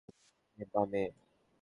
বামে, বামে।